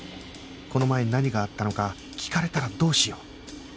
この前何があったのか聞かれたらどうしよう？